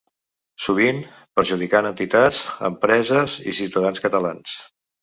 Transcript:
Sovint, perjudicant entitats, empreses i ciutadans catalans.